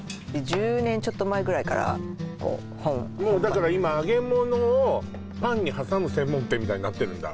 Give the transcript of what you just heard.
１０年ちょっと前ぐらいからだから今揚げ物をパンに挟む専門店みたいになってるんだ